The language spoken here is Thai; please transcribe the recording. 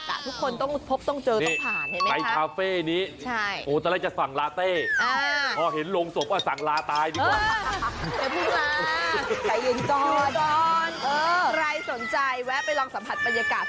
สักก็ทุกคนต้องผ่กต้องพาเจอต้องผ่านเห็นมั้ยคะ